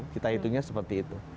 kita hitungnya seperti itu